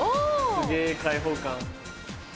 すげ開放感。